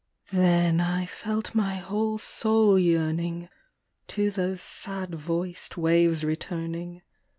Then I felt my whole soul yearning, to those sad voiced waves returning.